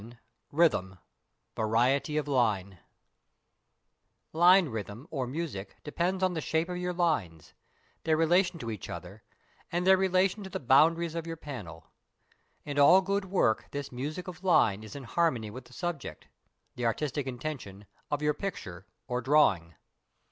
XI RHYTHM: VARIETY OF LINE Line rhythm or music depends on the shape of your lines, their relation to each other and their relation to the boundaries of your panel. In all good work this music of line is in harmony with the subject (the artistic intention) of your picture or drawing.